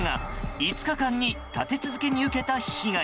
５日間に立て続けに受けた被害。